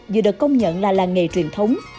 vừa được công nhận là làng nghề truyền thống